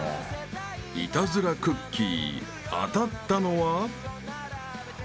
［イタズラクッキー当たったのは？］